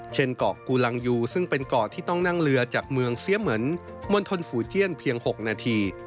เช่นเกาะกูลังยูซึ่งเป็นเกาะที่ต้องนั่งเรือจากเมืองเสียเหมือนมณฑลฝูเจียนเพียง๖นาที